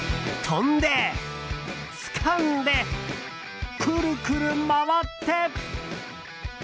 飛んで、つかんでくるくる回って！